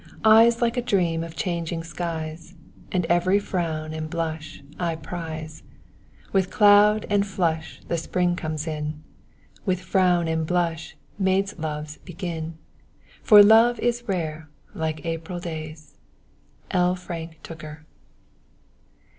Eyes like a dream of changing skies, And every frown and blush I prize. With cloud and flush the spring comes in, With frown and blush maids' loves begin; For love is rare like April days. L. Frank Tooker.